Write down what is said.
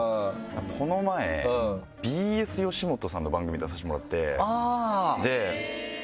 この前ＢＳよしもとさんの番組出させてもらって。